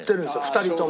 ２人とも。